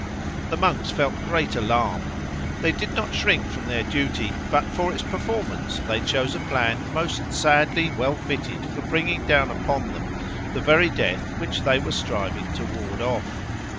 The monks felt great alarm; they did not shrink from their duty, but for its performance they chose a plan most sadly well fitted for bringing down upon them the very death which they were striving to ward off.